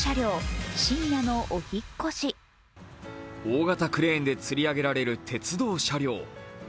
大型クレーンでつり上げられる鉄道車両。